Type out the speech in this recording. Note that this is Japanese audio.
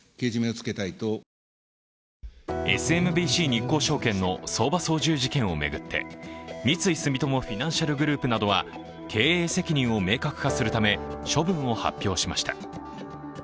ＳＭＢＣ日興証券の相場操縦事件を巡って三井住友フィナンシャルグループなどは経営責任を明確化するため処分を発表しました。